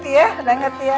jangan ngeti ya